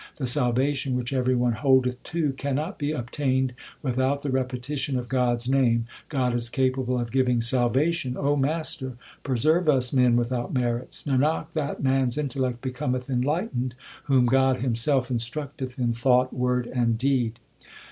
The salvation which every one holdeth to, Cannot be obtained without the repetition of God s name : God is capable of giving salvation. Master, preserve us men without merits. Nanak, that man s intellect becometh enlightened, Whom God Himself instruct eth in thought, word, and deed.